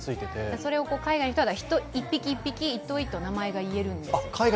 それを海外の人は、１匹１匹、１頭１頭、言えるんです。